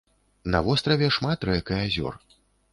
На востраве шмат рэк і азёр.